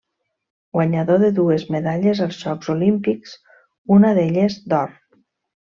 Guanyador de dues medalles als Jocs Olímpics, una d'elles d'or.